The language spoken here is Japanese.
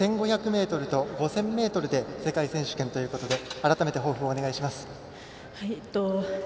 これで１５００ｍと５０００ｍで世界選手権ということで改めて抱負をお願いします。